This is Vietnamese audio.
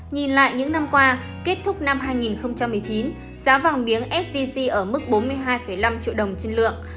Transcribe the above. nhìn lại những năm qua kết thúc năm hai nghìn một mươi chín giá vàng miếng sgc ở mức bốn mươi hai năm triệu đồng trên lượng